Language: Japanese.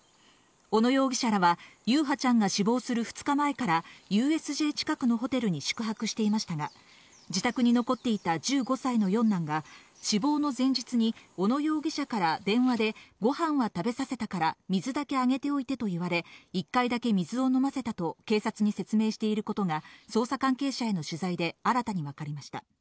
小野容疑者らは優陽ちゃんが死亡する２日前からＵＳＪ近くのホテルに宿泊していましたが、自宅に残っていた、１５歳の四男が死亡の前日に小野容疑者から電話でご飯は食べさせたから水だけあげておいてと言われ、１回だけ水を飲ませたと警察に説明していることが捜査関係者への取材で新たに分かりました。